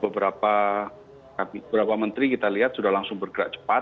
beberapa menteri kita lihat sudah langsung bergerak cepat